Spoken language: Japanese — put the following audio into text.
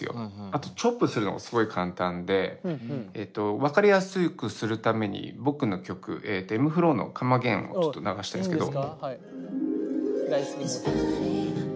あとチョップするのがすごい簡単で分かりやすくするために僕の曲ｍ−ｆｌｏの「ｃｏｍｅａｇａｉｎ」をちょっと流したいんですけど。